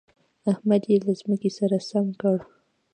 احمد يې له ځمکې سره سم کړ.